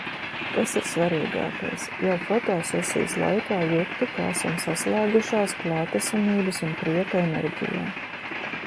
Tas ir svarīgākais. Jau fotosesijas laikā jutu, ka esam saslēgušās klātesamības un prieka enerģijā.